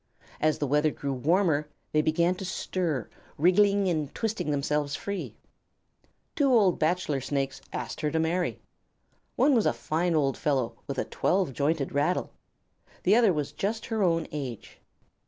As the weather grew warmer, they began to stir, wriggling and twisting themselves free. Two bachelor Snakes asked her to marry. One was a fine old fellow with a twelve jointed rattle. The other was just her own age.